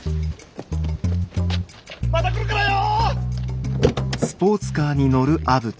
また来るからよ！